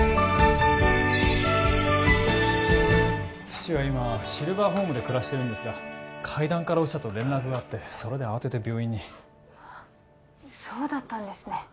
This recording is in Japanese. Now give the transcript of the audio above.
父は今シルバーホームで暮らしてるんですが階段から落ちたと連絡があってそれで慌てて病院にそうだったんですね